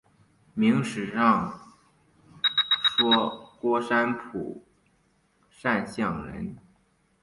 明史上说郭山甫善相人。